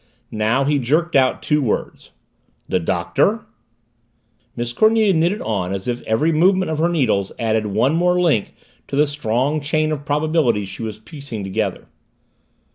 Now he jerked out two words. "The Doctor?" Miss Cornelia knitted on as if every movement of her needles added one more link to the strong chain of probabilities she was piecing together.